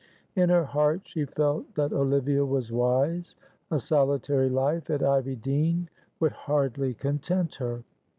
In her heart she felt that Olivia was wise. A solitary life at Ivy Dene would hardly content her.